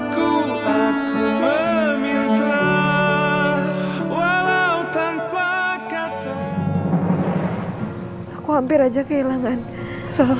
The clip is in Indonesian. kenario yang telah k kidnapping